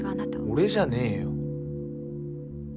俺じゃねぇよ。